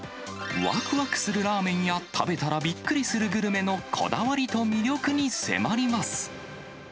わくわくするラーメンや、食べたらびっくりするグルメのこだわりと魅力に迫ります。